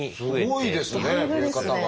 すごいですね増え方が。